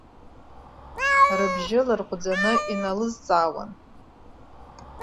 Рыбжьы ларҟәӡаны иналызҵаауан.